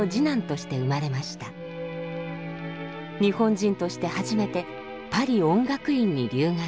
日本人として初めてパリ音楽院に留学。